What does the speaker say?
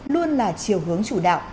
luôn là chiều hướng chủ đạo